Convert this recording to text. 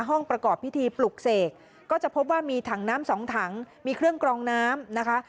ประกอบพิธีปลุกเสกก็จะพบว่ามีถังน้ำสองถังมีเครื่องกรองน้ำนะคะ